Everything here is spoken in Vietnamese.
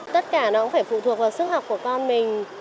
tất cả nó cũng phải phụ thuộc vào sức học của con mình